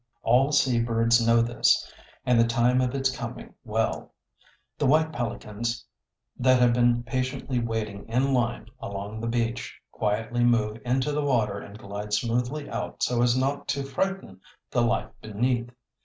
All sea birds know this, and the time of its coming well. The White Pelicans, that have been patiently waiting in line along the beach, quietly move into the water and glide smoothly out so as not to frighten the life beneath.